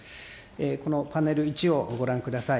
このパネル１をご覧ください。